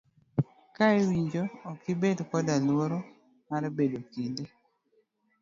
Ka iwuok okibed koda luoro mar bedo kendi.